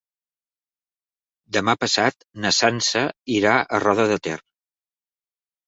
Demà passat na Sança irà a Roda de Ter.